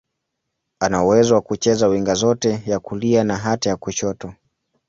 Ana uwezo wa kucheza winga zote, ya kulia na hata ya kushoto.